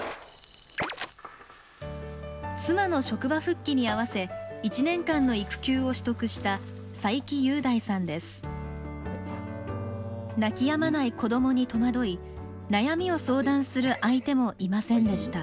妻の職場復帰にあわせ１年間の育休を取得した泣きやまない子どもに戸惑い悩みを相談する相手もいませんでした。